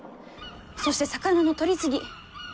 そして魚の取り過ぎ！